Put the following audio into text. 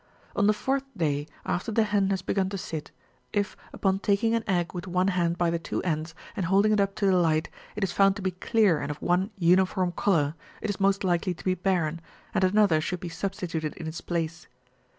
On the fourth day after the hen has begun to sit, if, upon taking an egg with one hand by the two ends and holding it up to the light, it is found to be clear and of one uniform colour, it is most likely to be barren, and an other should be substituted in its place.